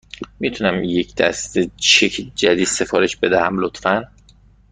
می تونم یک دسته چک جدید سفارش بدهم، لطفاً؟